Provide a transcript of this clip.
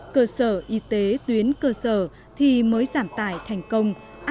cơ sở y tế tuyến cơ sở thì mới giảm tài thành công